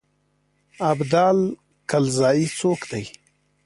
ابدال کلزايي څوک دی.